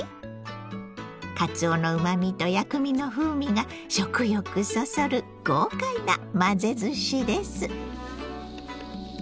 かつおのうまみと薬味の風味が食欲そそる豪快な混ぜずしです。